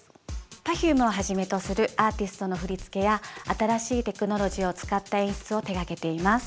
Ｐｅｒｆｕｍｅをはじめとするアーティストの振付や新しいテクノロジーを使った演出を手がけています。